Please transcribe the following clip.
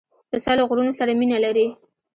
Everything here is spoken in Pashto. پسه له غرونو سره مینه لري.